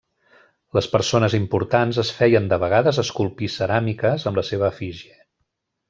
Les persones importants es feien de vegades esculpir ceràmiques amb la seva efígie.